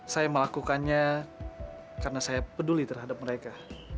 saya melakukannya karena saya peduli terhadap mereka